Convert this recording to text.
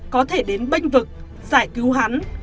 có thể đến bênh vực giải cứu hắn